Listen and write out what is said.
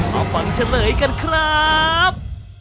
เอาฟังเจอเล่ากันครับ